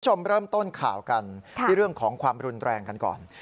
คุณผู้ชมเริ่มต้นข่าวกันที่เรื่องของความรุนแรงกันก่อน